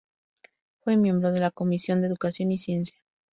Fue miembro de la Comisión de Educación y Ciencia.